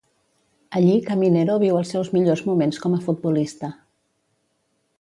Allí Caminero viu els seus millors moments com a futbolista.